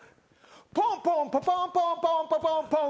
「ポンポンポポンポーンポンポポーンポン」